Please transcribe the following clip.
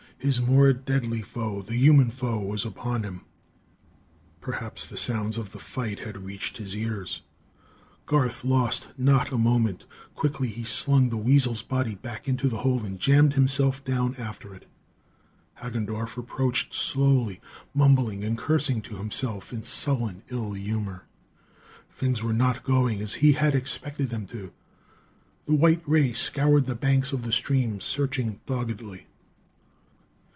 His more deadly foe, the human foe, was upon him. Perhaps the sounds of the fight had reached his ears. Garth lost not a moment. Quickly he slung the weasel's body back into the hole and jammed himself down after it. Hagendorff approached slowly, mumbling and cursing to himself in sullen ill humor. Things were not going as he had expected them to. The white ray scoured the banks of the stream, searching doggedly.